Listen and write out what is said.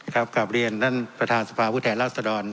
ครับกราบเรียนท่านประธาสภาพุทธแหละสะดอน